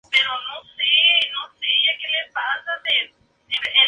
Stuart se entrenó en el "Royal Scottish Academy of Music and Drama".